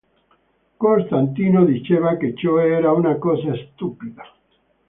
Costantino diceva che ciò era una cosa stupida.